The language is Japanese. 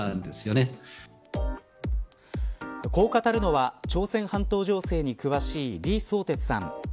こう語るのは朝鮮半島情勢に詳しい李相哲さん。